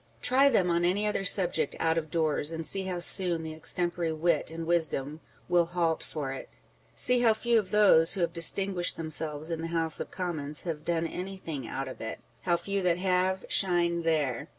Try them on any other subject out of doors, and see how soon the extempore wit and wisdom " will halt for it." See how few of those who have distinguished themselves in the House of Commons have done anything out of it ; how few that have, shine there